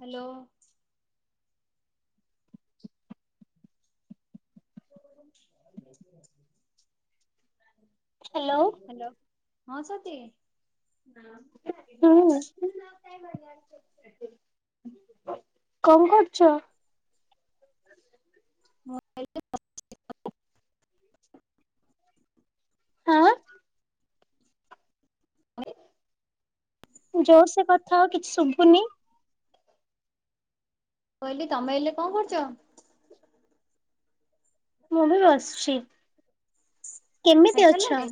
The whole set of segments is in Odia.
ହ୍ୟାଲୋ ହ୍ୟାଲୋ ହ୍ୟାଲୋ ହଁ ସତି ହୁଁ କଣ କରୁଛ? [unintelligible] ଆଁ ଜୋର ସେ କଥା ହୁଅ କିଛି ଶୁଭୁନି। ମୁଁ କହିଲି ତମେ ଏଇଲେ କଣ କରୁଛ? ମୁଁ ବି ବସିଛି। କେମିତି ଅଛ? ଖାଇସାରିଲଣି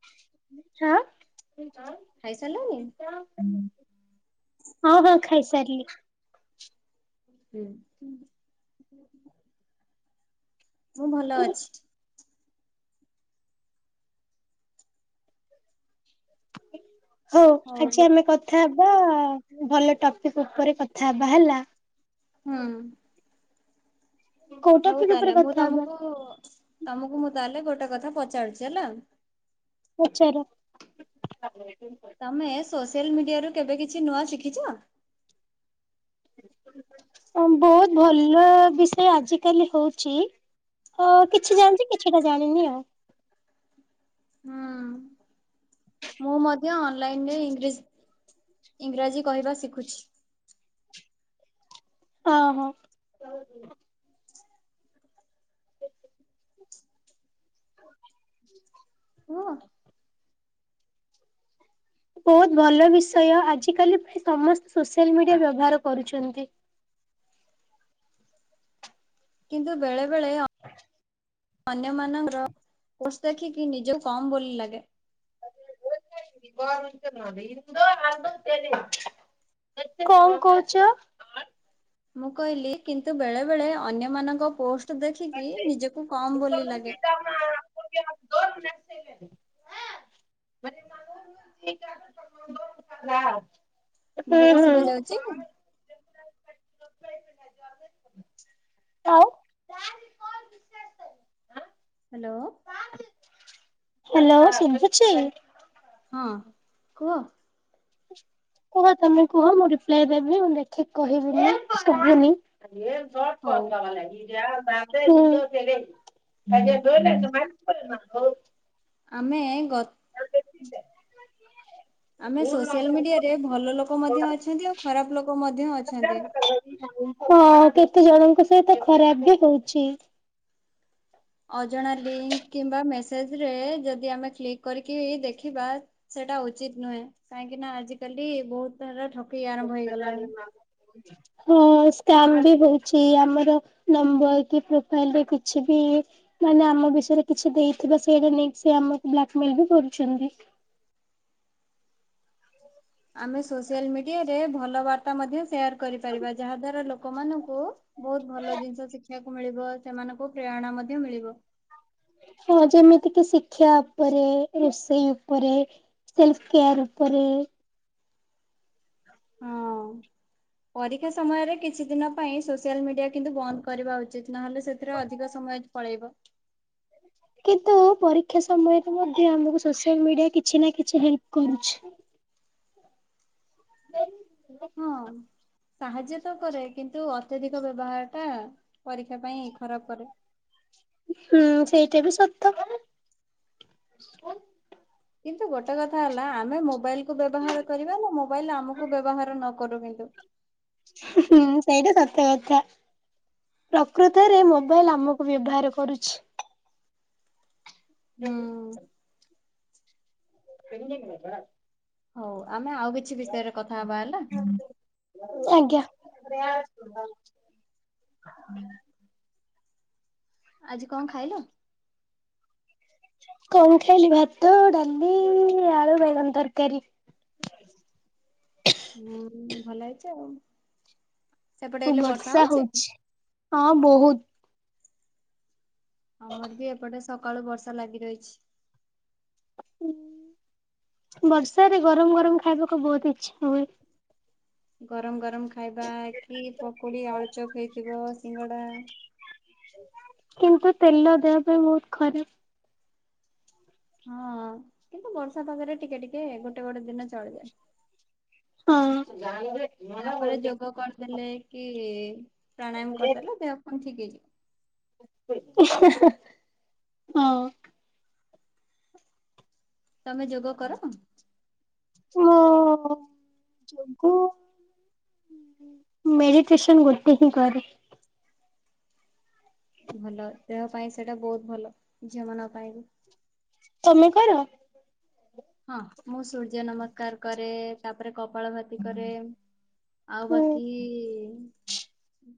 ହାଁ ଖାଇସାରିଲଣି ହଁ ହଁ ଖାଇସାରିଲି। ହୁଁ ମୁଁ ଭଲ ଅଛି। ହଉ ଆଜି ଆମେ କଥା ହବା ଭଲ ଟପିକ ଉପରେ କଥା ହବା ହେଲା। ହୁଁ କୋଉ ହଉ ଟପିକ ଉପରେ ତାହେଲେ ମୁଁ କଥା ହବା ତମକୁ ତମକୁ ମୁଁ ତାହେଲେ ଗୋଟେ କଥା ପଚାରୁଛି ହେଲା। ପଚାର ତମେ ସୋସିଆଲ ମିଡିଆରୁ କେବେ କିଛି ନୂଆ ଶିଖିଛ? ହ [unintelligible] ବହୁତ ଭଲ ବିଷୟ ଆଜିକାଲି ହଉଛି। ହ କିଛି ଜାଣିଛି କିଛିଟା ଜାଣିନି ଆଉ। ହଁ ମୁଁ ମଧ୍ୟ ଅନଲାଇନରେ ଇଂଜ ଇଂରାଜୀ କହିବା ଶିଖୁଛି। ଅ ହ ହ [unintelligible] କୁହ ବହୁତ ଭଲ ବିଷୟ ଆଜିକାଲି ପ୍ରାୟ ସମସ୍ତେ ସୋସିଆଲ ମିଡିଆ ବ୍ୟବହାର କରୁଛନ୍ତି। କିନ୍ତୁ ବେଳେ ବେଳେ ଅପ୍ ଅନ୍ୟ ମାନର କୋର୍ସ ଟା କି ଦେଖିକି ନିଜକୁ କମ ବୋଲି ଲାଗେ। କଣ କହୁଛ? ମୁଁ କହିଲି କିନ୍ତୁ ବେଳେ ବେଳେ ଅନ୍ୟମାନଙ୍କ ପୋଷ୍ଟ କୁ ଦେଖିକି ନିଜକୁ କମ ବୋଲି ଲାଗେ ଦ [inaudible] [inaudible] ମୋ ହୁଁ କଥା ହୁଁ। ଶୁଭା ଯାଉଛି? ଆଉ [unintelligible] [inaudible] ହ୍ୟାଲୋ ହ୍ୟାଲୋ ଶୁଭୁଛି? ହଁ କୁହ କୁହ ତମେ କୁହ ମୁଁ ରିପ୍ଲାଏ ଦେବି ମୁଁ ଦେଖିକି କହିବିନି ଶୁଭୁନି ଏନ୍ ଦୋଟ ହଉ କ [inaudible] [inaudible] ଆମେ ଗ ଆମେ ସୋସିଆଲ ମିଡିଆରେ ଭଲ ଲୋକ ମଧ୍ୟ ଅଛନ୍ତି ଆଉ ଖରାପ ଲୋକ ମଧ୍ୟ ଅଛନ୍ତି। ହଁ ହଁ କେତେ ଜଣଙ୍କ ସହିତ ଖରାପ ବି ହଉଛି। ଅଜଣା ଲିଙ୍କ କିମ୍ବା ମେସେଜରେ ଯଦି ଆମେ କ୍ଲିକ୍ କରିକି ଦେଖିବା। ସେଇଟା ଉଚିତ ନୁହେଁ କାହିଁକି ନା ଆଜିିକାଲି ବହୁତ ଥର ଠକେଇି ଆରମ୍ଭ ହେଇଗଲାଣି। ହଁ ସ୍କାମ ବି ହଉଛି ଆମର। ନମ୍ବର କି ପ୍ରୋଫାଇଲ ରେ କିଛି ବି ମାନେ ଆମ ବିଷୟରେ କିଛି ଦେଇଥିବା ସେଇଟା ନେଇକି ସେ ଆମକୁ ବ୍ଲାକ୍ମେଲ ବି କରୁଛନ୍ତି। ଆମେ ସୋସିଆଲ ମିଡିଆରେ ଭଲ ବାର୍ତା ମଧ୍ୟ ସେୟାର କରିପାରିବା ଯାହା ଦ୍ଵାରା ଲୋକମାନଙ୍କୁ ବହୁତ ଭଲ ଜିନିଷ ଶିଖିବାକୁ ମିଳିବ ସେମାନଙ୍କୁ ପ୍ରେରଣା ମଧ୍ୟ ମିଳିବ। ହଁ ଯେମିତି କି ଶିକ୍ଷା ଉପରେ ରୋଷେଇ ଉପରେ। ସେଲ୍ଫ୍ କେୟାର୍ ଉପରେ। ହଁ ପରୀକ୍ଷା ସମୟରେ କିଛି ଦିନ ପାଇଁ ସୋସିଆଲ ମିଡିଆ କିନ୍ତୁ ବନ୍ଦ କରିବା ଉଚିତ। ନହେଲେ ସେଥିରେ ଅଧିକ ସମୟ ପଳେଇବ। କିନ୍ତୁ ପରୀକ୍ଷା ସମୟରେ ମଧ୍ୟ ଆମକୁ ସୋସିଆଲ ମିଡିଆ କିଛି ନା କିଛି ହେଲ୍ପ କରୁଛି। ବ ହଁ ସାହାଯ୍ୟ ତ କରେ କିନ୍ତୁ ଅତ୍ୟଧିକ ବ୍ୟବହାର ଟା ପରୀକ୍ଷା ପାଇଁ ଖରାପ କରେ। ହୁଁ ସେଇଟା ବି ସତ କ କିନ୍ତୁ ଗୋଟେ କଥା ହେଲା ଆମେ ମୋବାଇଲ କୁ ବ୍ୟବହାର କରିବା ନା ମୋବାଇଲ ଆମକୁ ବ୍ୟବହାର ନ କରୁ କିନ୍ତୁ। ହୁଁ ସେଇଟା ସତ୍ୟ ଗଛ। ପ୍ରକୃତରେ ମୋବାଇଲ ଆମକୁ ବ୍ୟବହାର କରୁଛି। ହୁଁ ସେଙ୍ଗିଙ୍ଗ ହଉ ଆମେ ଆଉ କିଛି ବିଷୟରେ କଥା ହବା ହେଲା। ଆଜ୍ଞା। ହୁଁ ଆଜି କଣ ଖାଇଲୁ? କଣ ଖାଇଲି ଭାତ ଡାଲି ଆଳୁ ବାଇଗଣ ତରକାରୀ। ହୁଁ ଭଲ ହେଇଛି ଆଉ ସେପଟେ ହେଲେ ବର୍ଷା ହଉଛି। ହଁ ବହୁତ। ଆମର ବି ଏପଟେ ସକାଳୁ ବର୍ଷା ଲାଗି ରହିଛି। ହ ବର୍ଷାରେ ଗରମ ଗରମ ଖାଇବାକୁ ବହୁତ ଇଚ୍ଛା ହୁଏ। ଗରମ ଗରମ ଖାଇବା କି ପକୁୋଡି ଆଳୁ ଚକ ହେଇଥିବ ସିଙ୍ଗଡା। କିନ୍ତୁ ତେଲ ଦେହ ପାଇଁ ବହୁତ ଖରାପ। ହଁ କିନ୍ତୁ ବର୍ଷା ପାଗରେ ଟିକେ ଟିକେ ଗୋଟେ ଗୋଟେ ଦିନ ଚଳିଯାଏ। ହଁ ତାପରେ ଯୋଗ କରିଦେଲେ କି ପ୍ରାଣାୟାମ କରିଦେଲେ ଦେହ କଣ ଠିକ ହେଇଯିବ। ହଁ। ତମେ ଯୋଗ କର। ହଁ ଯୋଗୁ। ମେଡିଟେଶନ୍ ଗୋଟେ ହି କରରେ। ଭଲ ଦେହ ପାଇଁ ସେଇଟା ବହୁତ ଭଲ ଝିଅ ମାନଙ୍କ ପାଇଁ ବି। ତମେ କର। ହଁ ମୁଁ ସୂର୍ଯ୍ୟ ନମସ୍କାର। କରେ ତାପରେ କପାଳ ଭାତି କରେ ଆଉ ବାକି।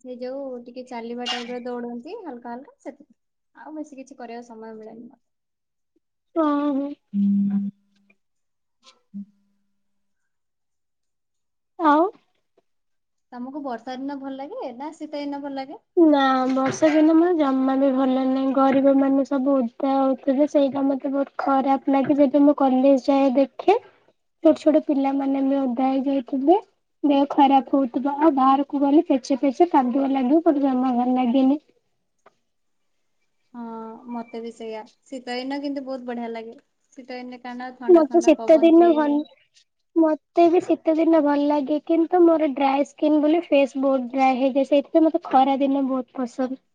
ସେ ଯୋଉ ଟିକେ ଚାଲିବା ଟାଇପ ର ଦୌଡନ୍ତି ହାଲକା ହାଲକା ସେତିକି। ଆଉ ବେଶୀ କିଛି କରିବାକୁ ସମୟ ମିଳେନି ମତ। [unintelligible] ହଁ ଉଁ। ଆଉ। ତମୁକୁ ବର୍ଷା ଦିନ ଭଲ ଲାଗେ ନା ଶୀତ ଦିନ ଭଲ ଲାଗେ? ନା ବର୍ଷା ଦିନ ମୋର ଜମା ବି ଭଲ ନାହିଁ ଗରିବ ମାନେ ସବୁ ଓଦା ହୋଉଥିଲେ ସେଇଟା ମତେ ବହୁତ। ଖରାପ ଲାଗେ ଯଦି ମୁଁ କଲେଜ ଯାଏ ଦେଖେ। ଛୋଟ ଛୋଟ ପିଲାମାନେ ବି ଓଦା ହେଇ ଯାଇଥିବେ। ଦେହ ଖରାପ ହୋଉଥିବ ଆଉ ବାହାରୁକୁ ଗଲେ ଫେଚେ ଫେଚେ କାଦୁଅ ଲାଗିବ ମୋତେ ଯମା ଭଲ ଲାଗେନି। ହଁ ମତେ ବି ସେଇୟା ଶୀତ ଦିନ କିନ୍ତୁ ବହୁତ ବଢିଆ ଲାଗେ। ଶୀତ ଦିନେ କାରଣ ଥଣ୍ଡା ମତେ ଥଣ୍ଡା ଶୀତ ପବନ ଦିନ ଭଲ ଦିଏ। ମତେ ବି ଶୀତ ଦିନ ଭଲ ଲାଗେ କିନ୍ତୁ ମୋର ଡ୍ରାଏ ସ୍କିନ୍ ବୋଲି ଫେସ୍ ବହୁତ ଡ୍ରାଏ ହେଇଯାଏ ସେ ଯେ ମତେ ଖରା ଦିନେ ବହୁତ୍ ପସନ୍ଦ।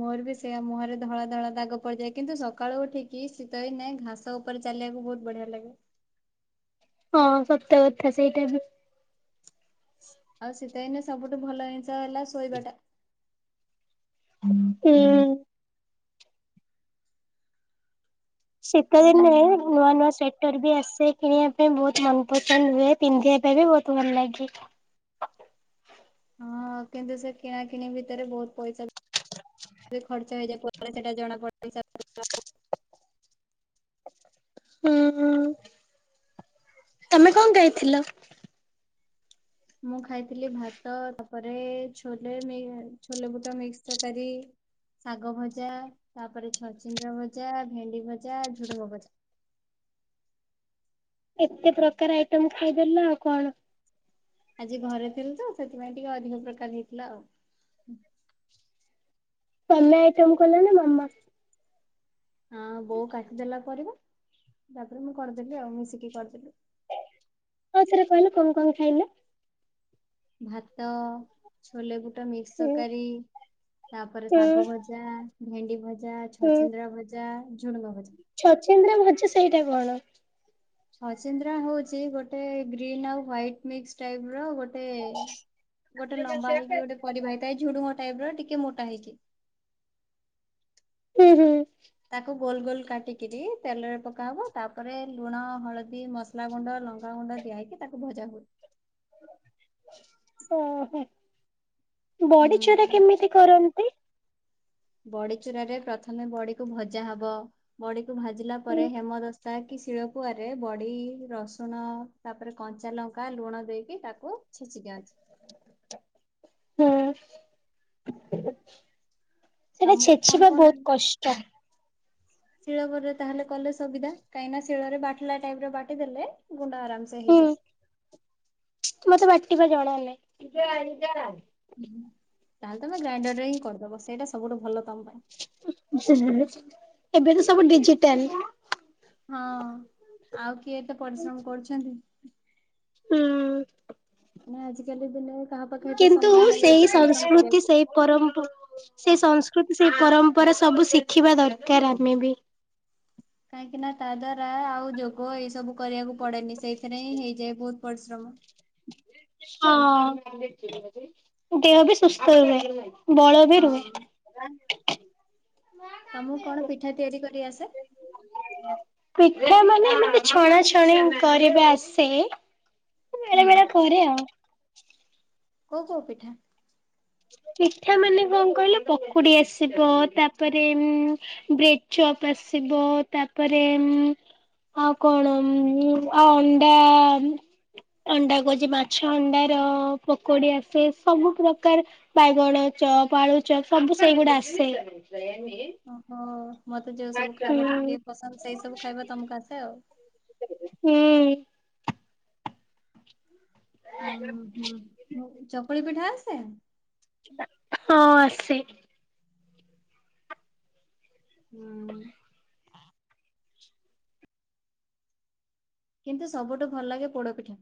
ମୋର ବି ସେୟା ମୁହଁରେ ଧଳା ଧଳା ଦାଗ ପଡିଯାଏ କିନ୍ତୁ ସକାଳୁ ଉଠିକି ଶୀତ ଦିନେ ଘା ସ ଉପରେ ଚାଲିବାକୁ ବହୁତ ବଢିଆ ଲାଗେ। ହଁ ସତ କଥା ସେଇଟା ବି। ଆଉ ଶୀତଦିନେ ସବୁଠୁ ଭଲ ଜିନିଷ ହେଲା ଶୋଇବାଟା। ହୁଁ ହୁଁ। ଶୀତଦିନେ ହୁଁ ନୂଆ ନୂଆ ସ୍ଵେଟର ବି ଆସେ କିଣିବା ପାଇଁ ବହୁତ୍ ମନପସନ୍ଦ ହୁଏ। ପିନ୍ଧିବା ପାଇଁ ବି ବହୁତ ଭଲ ଲାଗେ। ହଁ କିନ୍ତୁ ସେ କିଣା କିିଣି ଭିତେରେ ବହୁତ ପଇସା ବି ଖର୍ଚ ହେଇଯାଏ ପରେ ସେଟା ଜଣାପଡେ ପଇସା। ହୁଁ। ତମେ କଣ ଖାଇଥିଲ? ମୁଁ ଖାଇଥିଲି ଭାତ ତାପରେ ଛୋଲେ ମି ଛୋଲେବୁଟ ମିକ୍ସ ତରକାରି। ଶାଗ ଭଜା ତାପରେ ଛଚିନ୍ଦ୍ର ଭଜା ଭେଣ୍ଡି ଭଜା ଝୁଡୁଙ୍ଗ ଭଜା। ଏତେ ପ୍ରକାର ଆଇଟମ୍ ଖାଇଦେଲ ଆଉ କଣ। ଆଜି ଘରେ ଥିଲୁ ତ ସେଥିପାଇଁ ଟିକେ ଅଧିକ ପ୍ରକାର ହେଇଥିଲା ଆଉ। ତମେ ଆଇଟମ୍ କଲ ନା ମାମା? ହଁ ବୋଉ କାଟିଦେଲା ପରିବା ତାପରେ ମୁଁ କରିଦେଲି ଆଉ ମିଶିକି କରିଦେଲୁ। ଆଉଥରେ କହିଲେ କଣ କଣ ଖାଇଲେ? ଭାତ ଛୋଲେବୁଟ ମିକ୍ସ ହୁଁ ତରକାରୀ ତାପରେ ହୁଁ ଶାଗ ଭ ଜା ଭେଣ୍ଡି ଭଜା ହୁଁ ଛଚିନ୍ଦ୍ରା ଭଜା ଝୁଡଙ୍ଗ ଭଜା। ଛଚିନ୍ଦ୍ରା ଭଜା ସେଇଟା କଣ? ଛଚିନ୍ଦ୍ରା ହଉଚି ଗୋଟେ ଗ୍ରୀନ ଆଉ ହ୍ଵାଇଟ ମିକ୍ସ ଟାଇପ୍ ର ଗୋଟେ। ଏ ଗୋଟେ ଲମ୍ବା ହେଇକି ଗୋଟେ ପରିବା ହେଇଥାଏ ଝୁଡୁଙ୍ଗ ଟାଇପ ର ଟିକେ ମୋଟା ହେଇକି। ଉଁ ହୁଁ। ତାକୁ ଗୋଲ ଗୋଲ କାଟିକିରି ତେଲରେ ପକାହବ ତାପରେ ଲୁଣ ହଳ ଦୀ ମସଲା ଗୁଣ୍ଡ ଲଙ୍ଗା ଗୁଣ୍ଡ ଦିଆ ହେଇକି ତାକୁ ଭଜା ହୁଏ। ଓହୋ ବଡିଚୁରା ହୁଁ କେମିତି କରନ୍ତି? ବଡି ଚୁରାରେ ପ୍ରଥମେ ବଡିକୁ ଭଜା ହବ ବଡିକୁ ଭାଜିଲା ହୁଁ ପରେ ହେମଦ ତାହାକି ଶିଳପୁଆରେ ବଡି ରସୁଣ ତାପରେ କଞ୍ଚା ଲଙ୍କା ଲୁଣ ଦେଇକି ତାକୁ। ଛେଚି ଦିଅନ୍ତି। ହୁଁ। ସେଇଟା ତମକୁ କଣ ଛେଚିବା ବହୁତ କଷ୍ଟ। ଶିଳପୁଆରେ ତାହେଲେ କଲେ ସୁବିଧା, କାହିଁକି ନା ଶିଳରେ ବାଟିଲା ଟାଇପ୍ ର ବାଟି ଦେଲେ, ଗୁଣ୍ଡ ଆରାମସେ ହୁଁ ହେଇଯାଏ। ମତେ ବାଟିବା ଜଣା ନାହିଁ। ତାହେଲେ ତମେ ଗ୍ରାଇଣ୍ଡର ରେ ହିଁ କରିଦବ, ସେଇଟା ସବୁଠୁ ଭଲ ତମ ପାଇଁ। ଏବେ ତ ସବୁ ଡିଜିଟାଲ। ହଁ, ଆଉ କିଏ ଏତେ ପରିଶ୍ରମ କରୁଛନ୍ତି। ହୁଁ। ନା ଆଜିକାଲି ଦୁନିଆରେ କାହା ପାଖେ ଏତେ କିନ୍ତୁ ସମୟ ନାହିଁ ସେଇ ଏତେ ପରିଶ୍ରମ ସଂସ୍କୃତି କରିବାକୁ। ସେଇ ପରମ୍ପ ସେଇ ସଂସ୍କୃତି ସେଇ ପରମ୍ପରା ସବୁ ଶିଖିବା ଦରକାର ଆମେ ବି। କାହିଁକି ନା ତା ଦ୍ଵାରା ଆଉ ଯୋଗ ଏଇ ସବୁ କରିବାକୁ ପଡେନି ସେଇଥିରେ ହିଁ ହେଇଯାଏ। ବହୁତ ପରିଶ୍ରମ। ହଁ, ଦେହ ବି ସୁସ୍ଥ ରୁହେ। ବଳ ବି ରୁହେ। ହଁ ତମକୁ କଣ ପିଠା ତିଆରି କରି ଆସେ? ପିଠା ମାନେ ଏମିତି ଛଣାଛଣି କରିବା ଆସେ। ବେଳେ ହୁଁ। ବେଳେ କରେ ଆଉ। କୋଉ କୋଉ ପିଠା? ପିଠା ମାନେ କଣ କହିଲ, ପକୁଡି ଆସିବ। ତାପରେ ବ୍ରେଡ ଚପ୍ ଆସିବ, ତାପରେ ଆଉ କଣ? ଆଉ ଅଣ୍ଡା ଅଣ୍ଡା କହୁଛି ମାଛ ଅଣ୍ଡାର ପକୋଡି ଆସେ। ସବୁ ପ୍ର ବାଇଗଣ ଚପ୍, ଆଳୁ ଚପ୍ ସବୁ ସେଇଗୁଡା ଆସେ। ଓହୋ, ମତେ ଯୋଉ ସବୁ ଖାଇବା ଟିକେ ହୁଁ ଟିକେ ପସନ୍ଦ, ସେଇ ସବୁ ଖାଇବା ତମକୁ ଆସେ ଆଉ। ହୁଁ। ହୁଁ ହୁଁ। ଚକୁଳି ପିଠା ଆସେ? ହଁ ଆସେ। ହୁଁ। କିନ୍ତୁ ସବୁଠୁ ଭଲ ଲାଗେ ପୋଡପିଠା।